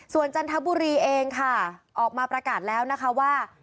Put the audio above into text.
ส่วนจันทบุรีเองค่ะออกมาประกาศแล้วนะคะว่า